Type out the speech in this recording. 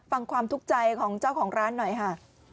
ฟังความทุกข์ใจของเจ้าของร้านหน่อยค่ะ